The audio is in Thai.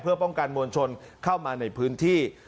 เพื่อป้องกันมวลชนเข้ามาในพื้นที่